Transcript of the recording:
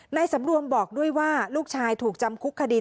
สำรวมบอกด้วยว่าลูกชายถูกจำคุกคดี